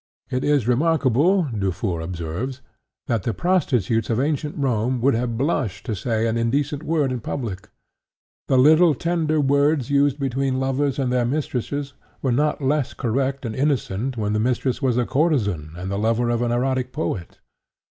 "It is remarkable," Dufour observes, "that the prostitutes of ancient Rome would have blushed to say an indecent word in public. The little tender words used between lovers and their mistresses were not less correct and innocent when the mistress was a courtesan and the lover an erotic poet.